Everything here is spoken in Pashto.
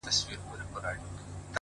ساقي خراب تراب مي کړه نڅېږم به زه!